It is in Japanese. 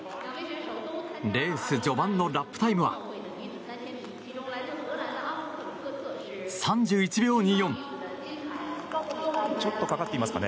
レース序盤のラップタイムは３１秒２４。